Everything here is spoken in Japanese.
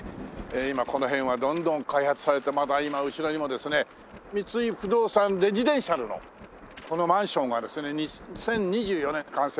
今この辺はどんどん開発されてまだ今後ろにもですね三井不動産レジデンシャルのこのマンションがですね２０２４年完成。